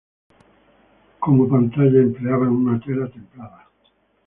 Como pantalla empleaban una tela templada.